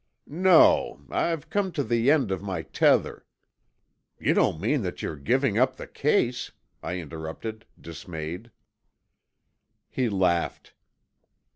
"No, I've come to the end of my tether " "You don't mean that you're giving up the case?" I interrupted, dismayed. He laughed.